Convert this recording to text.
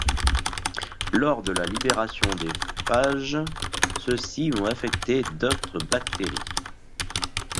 Lors de la libération des phages, ceux-ci vont infecter d'autres bactéries.